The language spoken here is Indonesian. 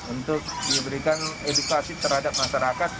untuk diberikan edukasi terhadap masyarakat